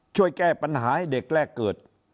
ช่วยแก้ปัญหาให้เด็กแรกเกิด